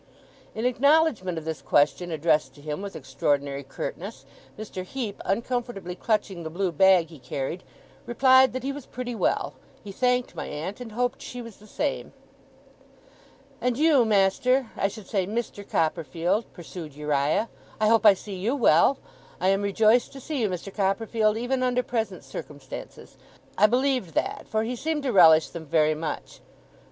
In acknowledgement of this question, addressed to him with extraordinary curtness, Mr. Heep, uncomfortably clutching the blue bag he carried, replied that he was pretty well, he thanked my aunt, and hoped she was the same. 'And you, Master I should say, Mister Copperfield,' pursued Uriah. 'I hope I see you well! I am rejoiced to see you, Mister Copperfield, even under present circumstances.' I believed that; for he seemed to relish them very much.